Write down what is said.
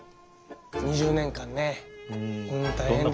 ２０年間ねうん大変でしたよ。